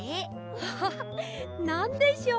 アハハなんでしょう？